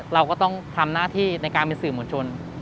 เราก็ต้องทำหน้าที่ในการเป็นสื่อมวลชน